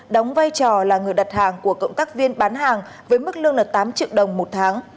đóng vai trò là người đặt hàng của cộng tác viên bán hàng với mức lương tám triệu đồng một tháng